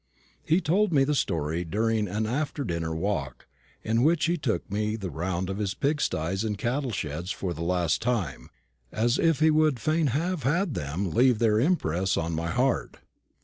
He told me the story during an after dinner walk, in which he took me the round of his pig styes and cattle sheds for the last time, as if he would fain have had them leave their impress on my heart.